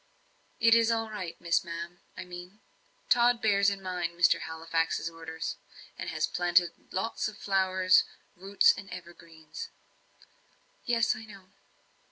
"It is all right Miss Ma'am, I mean. Tod bears in mind Mr. Halifax's orders, and has planted lots o' flower roots and evergreens." "Yes, I know."